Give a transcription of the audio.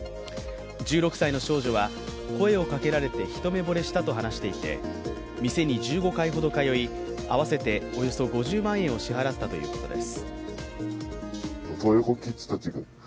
１６歳の少女は声をかけられて一目ぼれしたと話していて店に１５回ほど通い、合わせておよそ５０万円を支払ったということです。